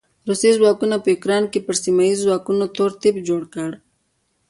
روسي ځواکونو په يوکراين کې پر سیمه ايزو ځواکونو تور تيپ جوړ کړ.